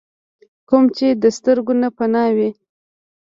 کوم چې د سترګو نه پناه وي ۔